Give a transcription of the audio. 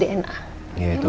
ya itu benar